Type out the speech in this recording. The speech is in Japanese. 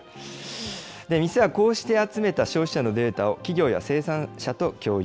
店はこうして集めた消費者のデータを企業や生産者と共有。